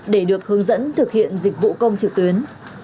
để được hướng dẫn thực hiện dịch vụ công trực tuyến